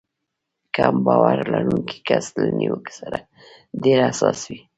کم باور لرونکی کس له نيوکې سره ډېر حساس وي.